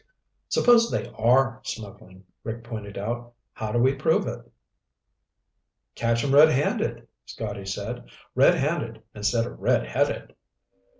"Suppose they are smuggling," Rick pointed out. "How do we prove it?" "Catch 'em red handed," Scotty said. "Red handed instead of redheaded."